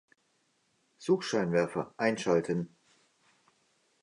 Suchscheinwerfer einschalten!